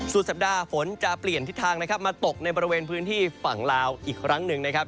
สุดสัปดาห์ฝนจะเปลี่ยนทิศทางนะครับมาตกในบริเวณพื้นที่ฝั่งลาวอีกครั้งหนึ่งนะครับ